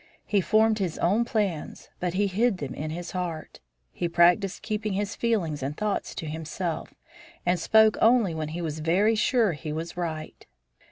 He formed his own plans, but he hid them in his heart. He practised keeping his feelings and thoughts to himself, and spoke only when he was very sure he was right.